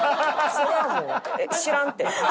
それはもう知らんって。